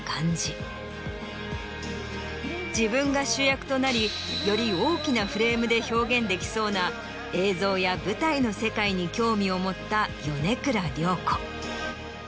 自分が主役となりより大きなフレームで表現できそうな映像や舞台の世界に興味を持った米倉涼子。